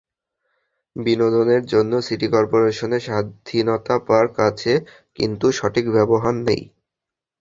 বিনোদনের জন্য সিটি করপোরেশনের স্বাধীনতা পার্ক আছে, কিন্তু সঠিক ব্যবহার নেই।